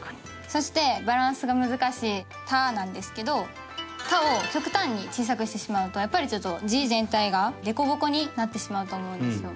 そしてバランスが難しい「田」なんですけど「田」を極端に小さくしてしまうとやっぱりちょっと字全体が凸凹になってしまうと思うんですよ。